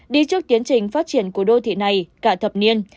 đi trước tiến trình phát triển của đô thị này cả thập niên